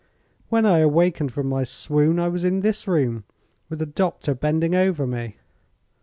When I awakened from my swoon I was in this room, with the doctor bending over me."